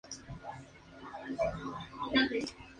No es fácil que algo similar ocurra en nuestro planeta.